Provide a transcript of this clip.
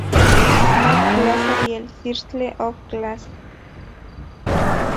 Map Plaza, y el Circle of Flags.